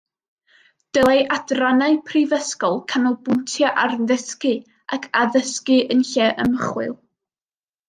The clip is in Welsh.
Dylai adrannau prifysgol ganolbwyntio ar ddysgu ac addysgu yn lle ymchwil